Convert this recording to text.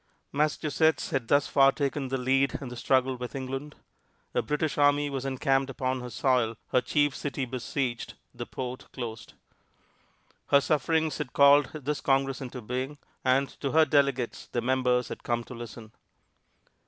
Massachusetts had thus far taken the lead in the struggle with England. A British army was encamped upon her soil, her chief city besieged the port closed. Her sufferings had called this Congress into being, and to her delegates the members had come to listen.